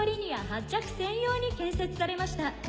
発着専用に建設されました。